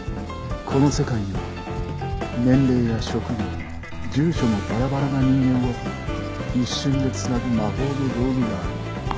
この世界には年齢や職業住所もバラバラな人間を一瞬で繋ぐ魔法の道具がある